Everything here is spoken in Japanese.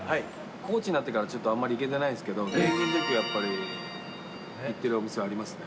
コーチになってからちょっとあんまり行けてないんですけど、現役のとき、やっぱり行ってるお店はありますね。